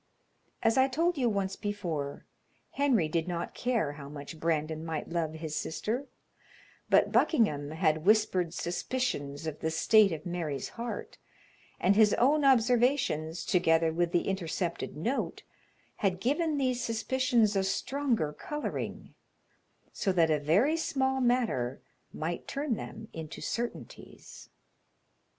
As I told you once before, Henry did not care how much Brandon might love his sister, but Buckingham had whispered suspicions of the state of Mary's heart, and his own observations, together with the intercepted note, had given these suspicions a stronger coloring, so that a very small matter might turn them into certainties.